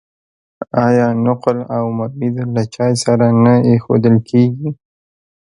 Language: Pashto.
آیا نقل او ممیز له چای سره نه ایښودل کیږي؟